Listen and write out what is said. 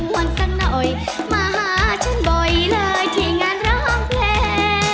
ว่างสังเงินมาหาฉันบ่อยเลยที่งานร้างเพลง